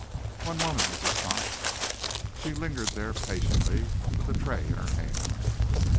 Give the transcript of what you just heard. "One moment, Mrs. Cox." She lingered there patiently, with the tray in her hand.